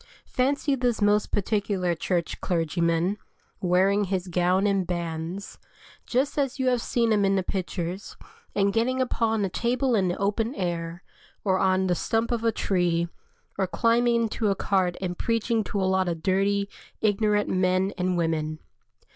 Fancy this most particular Church clergyman, wearing his gown and bands, just as you have seen him in the pictures, and getting upon a table in the open air, or on the stump of a tree, or climbing into a cart and preaching to a lot of dirty, ignorant men and women.